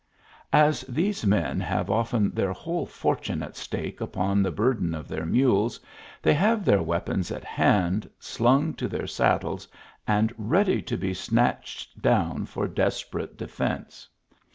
" As these men have often their whole fortune at stake upon the burden of their mules, they have their weapons at hand, slung to their saddles, and ready to be snatched down for desperate defence.